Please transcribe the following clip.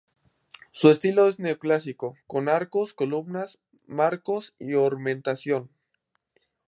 Su estilo es neoclásico, con arcos, columnas, marcos y ornamentación.